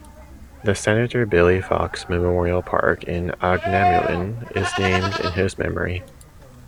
The Senator Billy Fox Memorial Park in Aughnamullen is named in his memory.